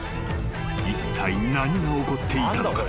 ［いったい何が起こっていたのか？］